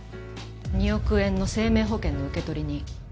２億円の生命保険の受取人。